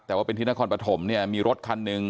แต่ว่าเป็นที่นครปฐมเนี่ยมีรถคันหนึ่ง